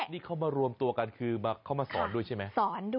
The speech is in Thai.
นี่เขามารวมตัวกันคือเข้ามาสอนด้วยใช่ไหม